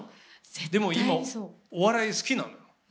でも今、お笑い好きなのよ。